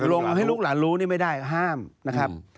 ลงให้ลูกหลานรู้นี่ไม่ได้ห้ามนะครับ